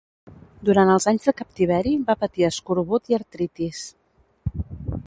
Durant els anys de captiveri va patir escorbut i artritis.